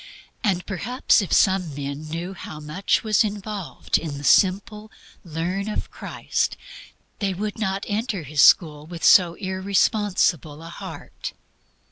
And perhaps if some men knew how much was involved in the simple "learn" of Christ, they would not enter His school with so irresponsible a heart.